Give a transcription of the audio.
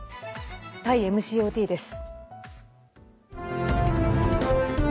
タイＭＣＯＴです。